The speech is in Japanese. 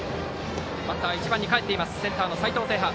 バッターは１番にかえってセンターの齊藤聖覇。